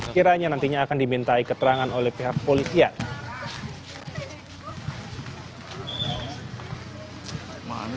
kiranya nantinya akan dimintai keterangan oleh pihak polisian